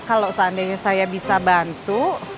kalau seandainya saya bisa bantu